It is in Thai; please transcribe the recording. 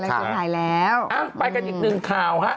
ไปกันอีกหนึ่งข่าวค่ะ